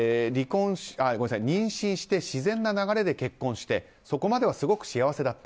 妊娠して自然な流れで結婚してそこまではすごく幸せだった。